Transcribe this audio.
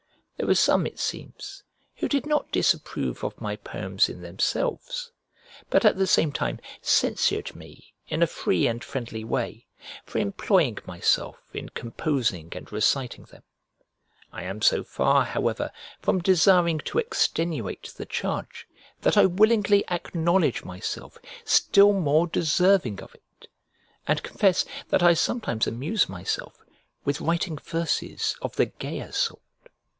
There were some, it seems, who did not disapprove of my poems in themselves, but at the same time censured me in a free and friendly way, for employing myself in composing and reciting them. I am so far, however, from desiring to extenuate the charge that I willingly acknowledge myself still more deserving of it, and confess that I sometimes amuse myself with writing verses of the gayer sort.